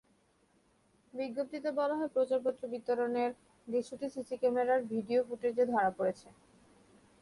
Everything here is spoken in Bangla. বিজ্ঞপ্তিতে বলা হয়, প্রচারপত্র বিতরণের দৃশ্যটি সিসি ক্যামেরার ভিডিও ফুটেজে ধরা পড়ে।